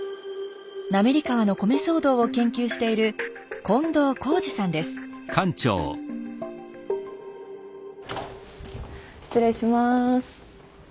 滑川の米騒動を研究している失礼します。